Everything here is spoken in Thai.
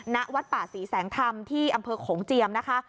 ณวัดป่าศรีแสงธรรมที่อำเภอโขงเจียมนะคะ